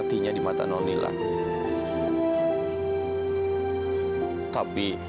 terima kasih warga